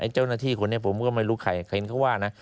เจ้าหน้าที่คนนี้ผมก็ไม่รู้ใครเห็นเขาว่านะ